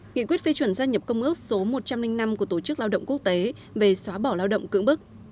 nghị quyết phê chuẩn gia nhập công ước số một trăm linh năm của tổ chức lao động quốc tế về xóa bỏ lao động cưỡng bức